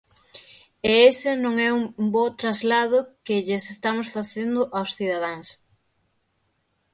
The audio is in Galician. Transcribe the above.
E ese non é un bo traslado que lles estamos facendo aos cidadáns.